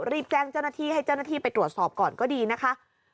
รีบแจ้งเจ้าหน้าที่ให้เจ้าหน้าที่ไปตรวจสอบก่อนก็ดีนะคะ